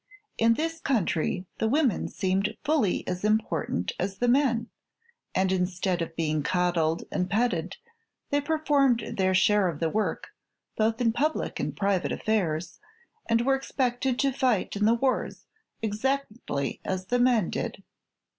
In this country the women seemed fully as important as the men, and instead of being coddled and petted they performed their share of the work, both in public and private affairs, and were expected to fight in the wars exactly as the men did.